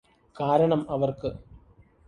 കാരണം അവര്ക്ക്